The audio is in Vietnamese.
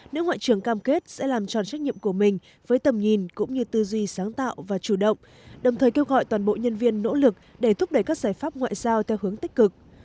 nữ ngoại trưởng cam kết sẽ làm tròn trách nhiệm của mình với tầm nhìn cũng như tư duy sáng tạo và chủ động đồng thời kêu gọi toàn bộ nhân viên nỗ lực để thúc đẩy các giải pháp ngoại giao theo hướng tích cực